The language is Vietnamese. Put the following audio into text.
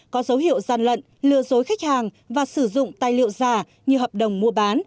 có dấu hiệu gian lận lừa dối khách hàng và sử dụng tài liệu giả như hợp đồng mua bán